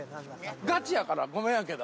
ガチやから、ごめんやけど。